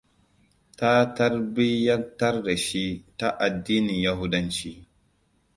Ta tarbiyyantar da shi ta addinin yahudanci.